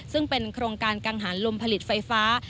ซึ่งเป็นโครงการกังหารลมผลิตไฟฟ้า